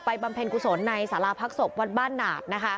ไปบำเพ็ญกุศลในศาลาภักษ์ศพวันบ้านหนาด